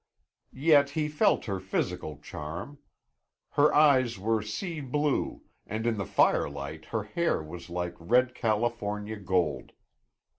Yet he felt her physical charm. Her eyes were sea blue, and in the firelight her hair was like red California gold.